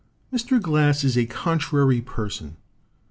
Mr. Glass is a contrary person.